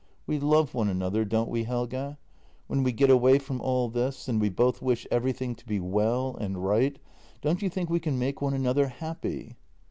" We love one another, don't we, Helge? When we get away from all this and we both wish everything to be well and right, don't you think we can make one another happy?